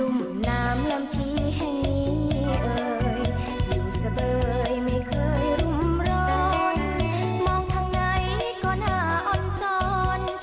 มองทางไหนก็หน้าอ่อนซ้อน